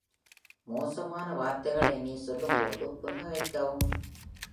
மோசமான வார்த்தைகளை நீ சொல்லும்போது புன்னகைக்கவும்.